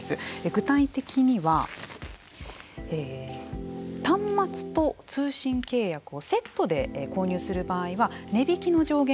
具体的には端末と通信契約をセットで購入する場合は値引きの上限